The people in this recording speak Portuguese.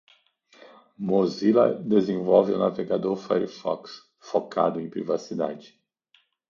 Mozilla desenvolve o navegador Firefox, focado em privacidade.